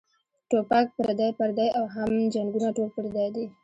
ټوپک پردے پردے او هم جنګــــونه ټول پردي دي